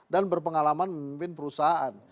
dan berpengalaman memimpin perusahaan